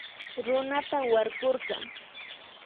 Runata warkurka